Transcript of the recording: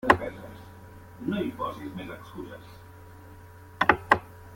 Las partes esenciales son la puerta principal y las murallas de bloques poligonales.